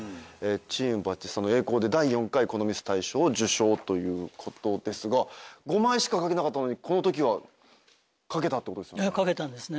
『チーム・バチスタの栄光』で第４回『このミス』大賞を受賞ということですが５枚しか書けなかったのにこのときは書けたってことですね。